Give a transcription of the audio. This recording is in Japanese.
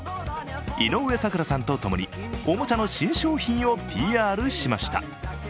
井上咲楽さんとともにおもちゃの新商品をＰＲしました。